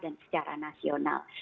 dan secara nasional